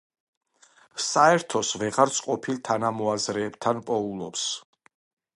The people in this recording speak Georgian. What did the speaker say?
საერთოს ვეღარც ყოფილ თანამოაზრეებთან პოულობს.